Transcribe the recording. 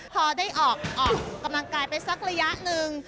พอได้ออกกำลังกายไปสักระยะหนึ่ง